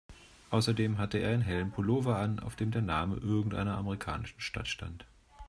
Außerdem hatte er einen hellen Pullover an, auf dem der Name irgendeiner amerikanischen Stadt stand.